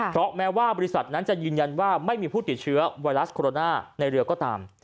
เพราะแม้ว่าบริษัทนั้นจะยืนยันว่าไม่มีผู้ติดเชื้อไวรัสโคโรนาในเรือก็ตาม